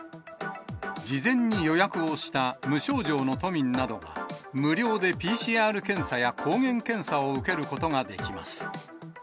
事前に予約をした無症状の都民などは、無料でＰＣＲ検査や抗原検査を受けることができます。